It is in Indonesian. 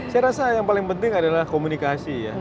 saya rasa yang paling penting adalah komunikasi ya